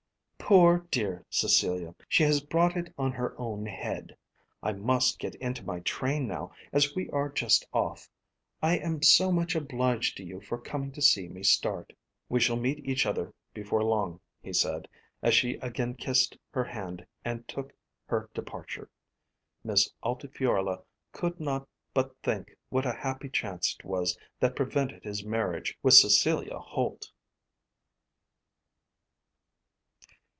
"Poor dear Cecilia. She has brought it on her own head. I must get into my train now, as we are just off. I am so much obliged to you for coming to see me start." "We shall meet each other before long," he said, as she again kissed her hand and took her departure. Miss Altifiorla could not but think what a happy chance it was that prevented his marriage with Cecilia Holt.